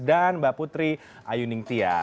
dan mbak putri ayuning tia